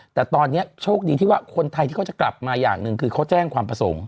แต่ตอนนี้โชคดีที่ว่าคนไทยที่เขาจะกลับมาอย่างหนึ่งคือเขาแจ้งความประสงค์